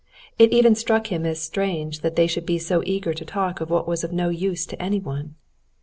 It even struck him as strange that they should be so eager to talk of what was of no use to anyone.